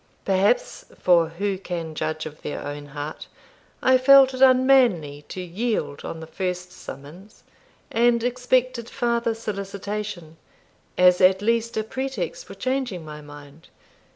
Perhaps for who can judge of their own heart? I felt it unmanly to yield on the first summons, and expected farther solicitation, as at least a pretext for changing my mind.